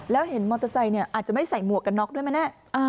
แล้วเห็นมอเตอร์ไซค์อาจจะไม่ใส่หมวกกัน๊อกด้วยมั้ยนะ